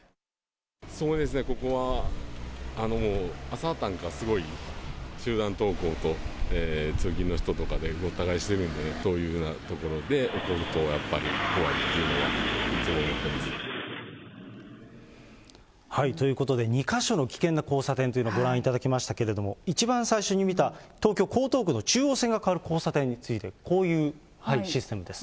そうですね、ここは、もう朝なんかすごい、集団登校と通勤の人とかでごった返してるんでね、そういうような所で起こるとやっぱり怖いっていうのはいつも思っということで、２か所の危険な交差点というのをご覧いただきましたけれども、一番最初に見た東京・江東区の中央線が変わる交差点について、こういうシステムです。